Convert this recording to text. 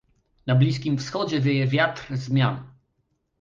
Na Bliskim Wschodzie wieje wiatr zmian